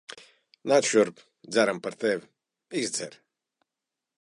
Nāc šurp. Dzeram par tevi. Izdzer.